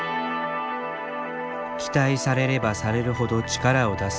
期待されればされるほど力を出す。